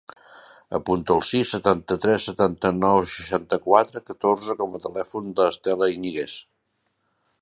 Apunta el sis, setanta-tres, setanta-nou, seixanta-quatre, catorze com a telèfon de l'Estela Iñiguez.